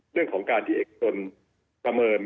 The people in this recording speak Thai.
เรื่องของการที่เอกชนประเมิน